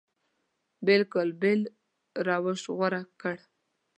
بلکل بېل روش غوره کړ.